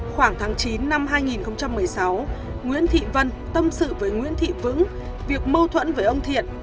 khoảng tháng chín năm hai nghìn một mươi sáu nguyễn thị vân tâm sự với nguyễn thị vững việc mâu thuẫn với ông thiện